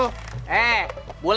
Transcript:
eh gue lebel ya